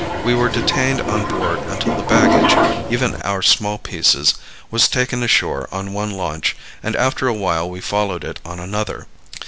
We were detained on board until the baggage, even our small pieces, was taken ashore on one launch and after a while we followed it on another.